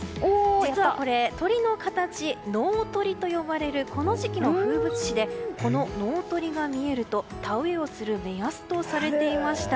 実はこれ、鳥の形農鳥と呼ばれるこの時期の風物詩でこの農鳥が見えると田植えをする目安とされていました。